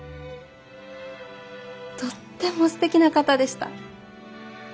とってもすてきな方でした。